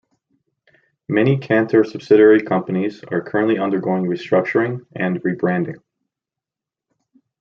Many Kantar subsidiary companies are currently undergoing restructuring and rebranding.